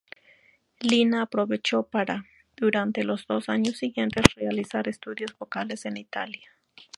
Lina aprovechó para, durante los dos años siguientes, realizar estudios vocales en Italia.